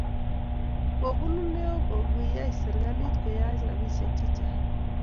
Kobunuu noe ko kiyay serkalit koyaach robishe che chang.